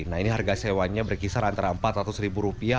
nah ini harga sewanya berkisar antara empat ratus ribu rupiah